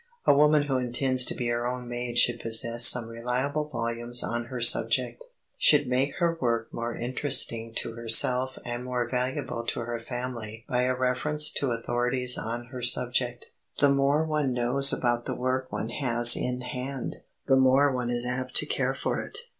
A woman who intends to be her own maid should possess some reliable volumes on her subject, should make her work more interesting to herself and more valuable to her family by a reference to authorities on her subject. The more one knows about the work one has in hand, the more one is apt to care for it.